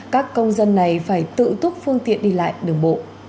các công dân này phải tự túc phương tiện đi lại đường bộ